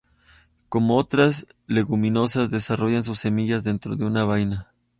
Como otras leguminosas, desarrollan sus semillas dentro de una vaina.